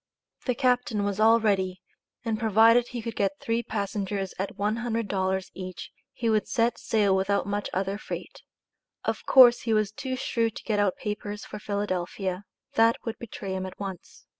The captain was all ready, and provided he could get three passengers at $100 each he would set sail without much other freight. Of course he was too shrewd to get out papers for Philadelphia. That would betray him at once.